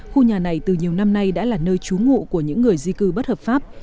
khu nhà này từ nhiều năm nay đã là nơi trú ngụ của những người di cư bất hợp pháp